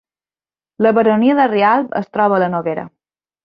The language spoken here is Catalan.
La Baronia de Rialb es troba a la Noguera